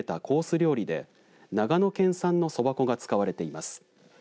料理で長野県産のそば粉が使われています。